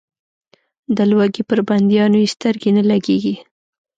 د لوږې پر بندیانو یې سترګې نه لګېږي.